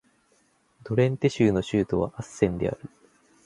ドレンテ州の州都はアッセンである